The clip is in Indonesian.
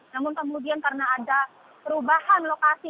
namun kemudian karena ada perubahan lokasi